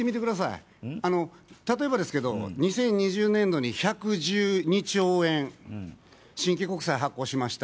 例えばですけど２０２０年度に１１２兆円新規国債発行しました。